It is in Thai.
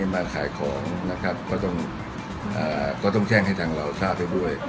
มาขายของนะครับก็ต้องแจ้งให้ทางเราทราบได้ด้วย